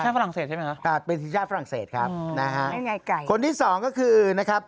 ฝรั่งเศสใช่ไหมครับเป็นทีมชาติฝรั่งเศสครับนะฮะคนที่สองก็คือนะครับ